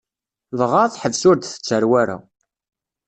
Dɣa, teḥbes ur d-tettarew ara.